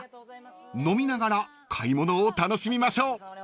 ［飲みながら買い物を楽しみましょう］